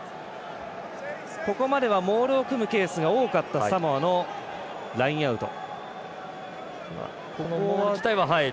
ここまではモールを組むケースが多かったサモアのラインアウト。